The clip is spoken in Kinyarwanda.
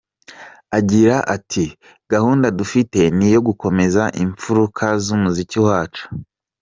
Agira ati “Gahunda dufite ni iyo gukomeza imfuruka z’umuziki wacu.